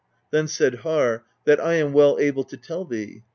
Then said Harr: "That I am well able to tell thee.